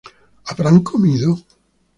¿habrán comido?